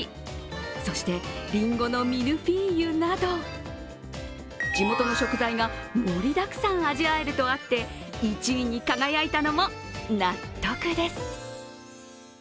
そして、りんごのミルフィーユなど地元の食材が盛りだくさん味わえるとあって１位に輝いたのも納得です。